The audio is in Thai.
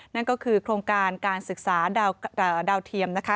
นั่นก็คือโครงการการศึกษาดาวเทียมนะคะ